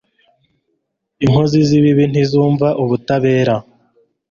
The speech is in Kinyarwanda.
Inkozi z’ibibi ntizumva ubutabera